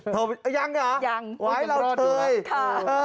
โทรไปยังใช่เหรอไว้เราเฉยยังคุณกำลังรอดอยู่นะ